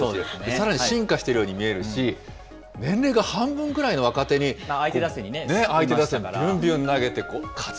さらに進化しているように見えるし、年齢が半分くらいの若手に、相手打線にびゅんびゅん投げて勝つ。